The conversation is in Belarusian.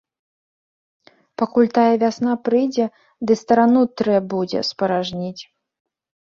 Пакуль тая вясна прыйдзе ды старану трэ будзе спаражніць.